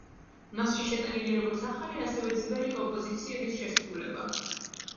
მასში შეტანილია როგორც ახალი, ასევე ძველი კომპოზიციების შესრულება.